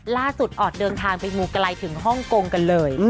ออดเดินทางไปมูไกลถึงฮ่องกงกันเลย